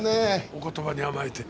お言葉に甘えて。